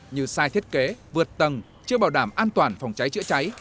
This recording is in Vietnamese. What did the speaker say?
như sai thiết kế vượt tầng chưa bảo đảm an toàn phòng cháy chữa cháy